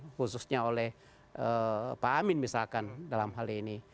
khususnya oleh pak amin misalkan dalam hal ini